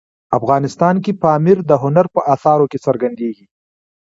افغانستان کې پامیر د هنر په اثارو کې څرګندېږي.